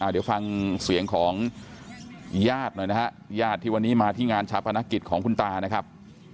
เดี๋ยวฟังเสียงของยาดหน่อยที่วันนี้มาที่ชาวภาณกิจของคุณตานะครับ